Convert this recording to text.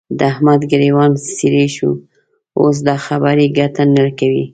د احمد ګرېوان څيرې شو؛ اوس دا خبرې ګټه نه کوي.